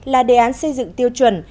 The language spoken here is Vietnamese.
là đề án xây dựng tiêu chuẩn